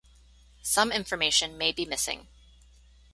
Some information may be missing.